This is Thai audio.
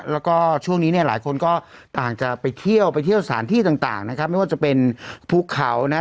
แล้วก็ช่วงนี้เนี่ยหลายคนก็ต่างจะไปเที่ยวไปเที่ยวสถานที่ต่างนะครับไม่ว่าจะเป็นภูเขานะครับ